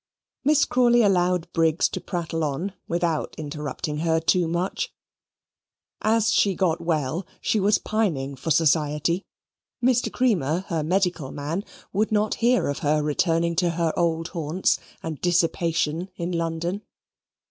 Miss Crawley allowed Briggs to prattle on without interrupting her too much. As she got well, she was pining for society. Mr. Creamer, her medical man, would not hear of her returning to her old haunts and dissipation in London.